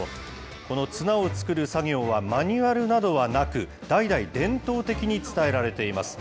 この綱を作る作業は、マニュアルなどはなく、代々伝統的に伝えられています。